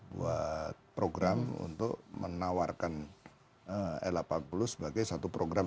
buat program untuk menawarkan l delapan puluh sebagai satu program